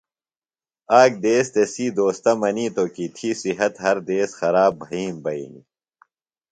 آک دیس تسی دوستہ منیتوۡ کی تھی صِحت ہر دیس خراب بھئیم بئینیۡ۔